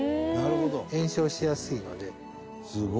延焼しやすいので。